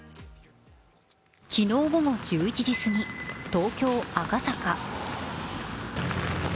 昨日午後１１時過ぎ、東京・赤坂。